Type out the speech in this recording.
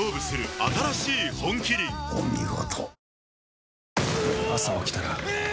お見事。